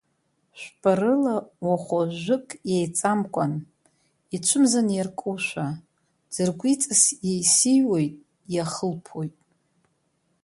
Шәпарыла уахәажәык еиҵамкәан, ицәымзан иаркушәа, ӡыркәиҵас еисиуеит, иахылԥхоит.